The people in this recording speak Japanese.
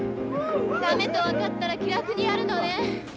駄目と分かったら気楽にやるのね。